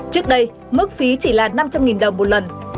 trước đây mức phí chỉ là năm trăm linh đồng một lần